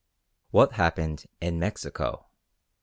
What happened in Mexico?